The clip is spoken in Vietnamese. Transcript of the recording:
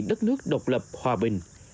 đất nước độc lập hòa bình